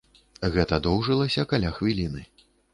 Гэта доўжылася каля хвіліны.